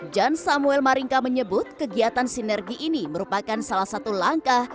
jan samuel maringka menyebut kegiatan sinergi ini merupakan salah satu langkah